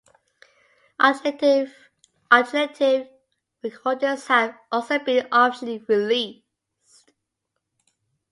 Alternative recordings have also been officially released.